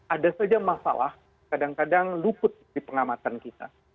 ada saja masalah kadang kadang luput di pengamatan kita